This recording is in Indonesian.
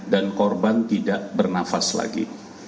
korban tidak bernafas lagi